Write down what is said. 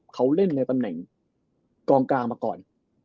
เขาเล่นในตำแหน่งกองกลางมาก่อน